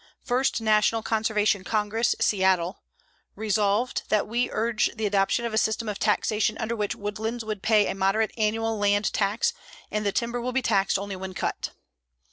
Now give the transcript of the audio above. FIRST NATIONAL CONSERVATION CONGRESS, Seattle: Resolved, That we urge the adoption of a system of taxation under which woodlands will pay a moderate annual land tax and the timber will be taxed only when cut.